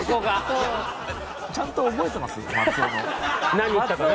何言ったかね。